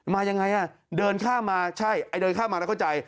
มายังไงอ่ะเดินข้ามมาใช่ไอ้เดินข้ามมาแล้วเข้าใจ